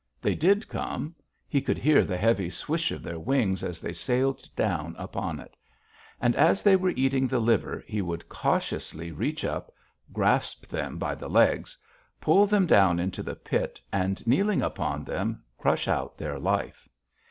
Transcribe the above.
They did come; he could hear the heavy swish of their wings as they sailed down upon it; and as they were eating the liver he would cautiously reach up, grasp them by the legs, pull them down into the pit, and kneeling upon them crush out their life.